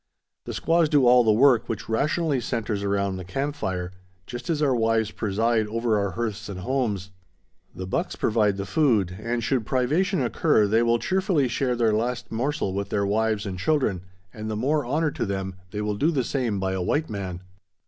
The squaws do all the work which rationally centres around the camp fire, just as our wives preside over our hearths and homes. The bucks provide the food, and should privation occur they will cheerfully share their last morsel with their wives and children, and, the more honor to them, they will do the same by a white man.